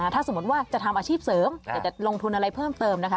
ถ้าสมมติว่าจะทำอาชีพเสริมอยากจะลงทุนอะไรเพิ่มเติมนะคะ